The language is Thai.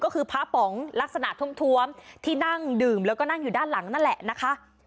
ก็คือพระป๋องลักษณะท้วมที่นั่งดื่มแล้วก็นั่งอยู่ด้านหลังนั่นแหละนะคะ